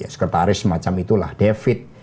sekretaris macam itulah david